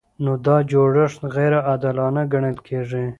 نو دا جوړښت غیر عادلانه ګڼل کیږي.